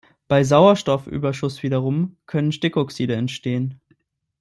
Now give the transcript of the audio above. Bei Sauerstoffüberschuss wiederum können Stickoxide entstehen.